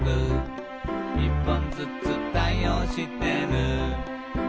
「１本ずつ対応してる」